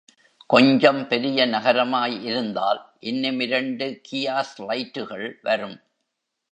கொஞ்சம் பெரிய நகரமாய் இருந்தால் இன்னும் இரண்டு கியாஸ் லைட்டுகள் வரும்.